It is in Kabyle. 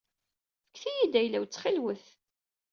Fket-iyi-d ayla-w ttxil-wet.